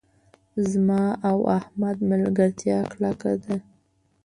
زما او احمد ملګرتیا کلکه ده.